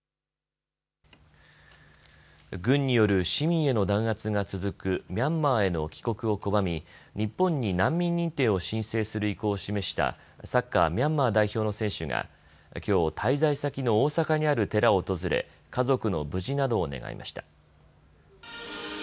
軍による市民への弾圧が続くミャンマーへの帰国を拒み日本に難民認定を申請する意向を示したサッカー、ミャンマー代表の選手がきょう滞在先の大阪にある寺を訪れ家族の無事などを願いました。